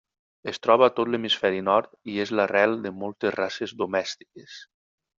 Es troba a tot l'hemisferi nord i és l'arrel de moltes races domèstiques.